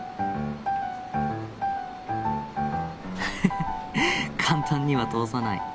フフフ簡単には通さない。